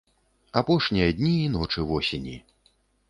Апошнія дні і ночы восені!